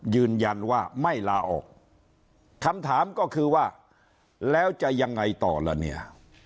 ยืนยันว่าไม่ลาออกคำถามก็คือว่าแล้วจะยังไงต่อล่ะเนี่ย